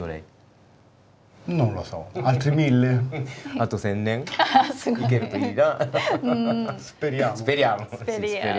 あと１，０００年いけるといいな。